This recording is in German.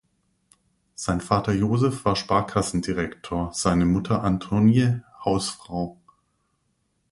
Sein Vater Josef war Sparkassendirektor, seine Mutter Antonie Hausfrau.